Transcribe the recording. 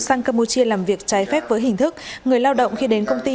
sang campuchia làm việc trái phép với hình thức người lao động khi đến công ty